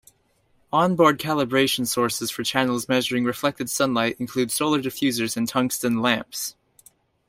Onboard calibration sources for channels measuring reflected sunlight include solar diffusers and tungsten lamps.